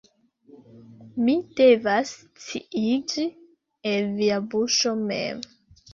Mi devas sciiĝi el via buŝo mem.